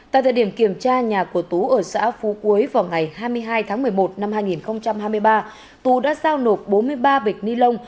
tại thời điểm kiểm tra nhà của tú ở xã phú quế vào ngày hai mươi hai tháng một mươi một năm hai nghìn hai mươi ba tú đã giao nộp bốn mươi ba bịch ni lông